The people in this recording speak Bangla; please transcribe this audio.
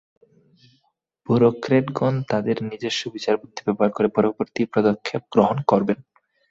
ব্যুরোক্র্যাটগণ তাদের নিজস্ব বিচারবুদ্ধি ব্যবহার করে পরবর্তী পদক্ষেপ গ্রহণ করবেন।